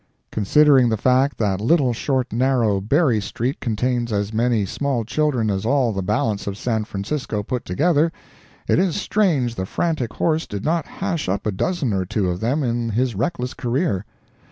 Considering the fact that little short narrow Berry street contains as many small children as all the balance of San Francisco put together, it is strange the frantic horse did not hash up a dozen or two of them in his reckless career.